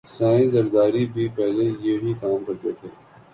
سائیں زرداری بھی پہلے یہئ کام کرتا تھا